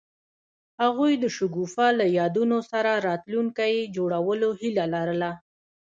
هغوی د شګوفه له یادونو سره راتلونکی جوړولو هیله لرله.